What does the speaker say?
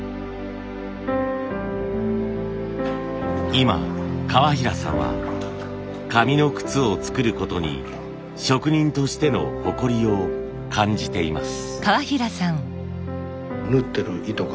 今川平さんは紙の靴を作ることに職人としての誇りを感じています。